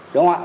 đúng không ạ